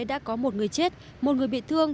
đã có một người chết một người bị thương